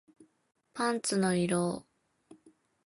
パンツの色